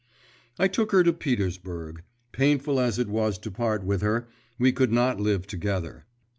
'I took her to Petersburg. Painful as it was to part with her, we could not live together.